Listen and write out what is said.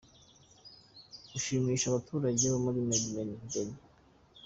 Gushimisha abaturage bo muri Benin.